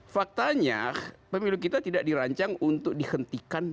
faktanya pemilu kita tidak dirancang untuk dihentikan